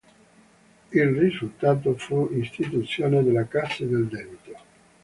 Il risultato fu l'istituzione della Casse del Debito.